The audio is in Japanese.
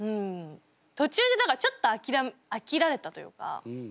途中でだからちょっとあきらあきられたというか。